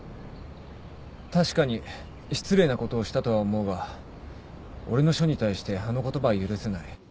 確かに失礼なことをしたとは思うが俺の書に対してあの言葉は許せない。